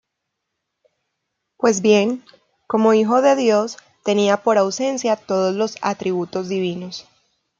Pues bien, como Hijo de Dios, tenía por esencia todos los atributos divinos.